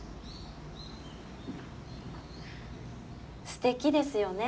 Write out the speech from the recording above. すてきですよね。